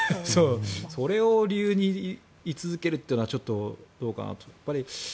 それを理由に居続けるというのはちょっとどうかなと。